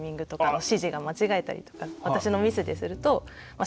私のミスでするとはい。